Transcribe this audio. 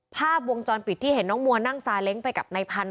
ภาพวงจรปิดที่เห็นน้องมัวนั่งซาเล้งไปกับนายพันธ